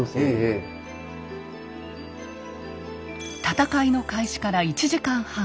戦いの開始から１時間半。